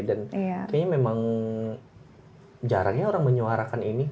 dan kayaknya memang jarangnya orang menyuarakan ini